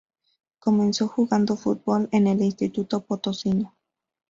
Comenzó jugando fútbol en el Instituto Potosino.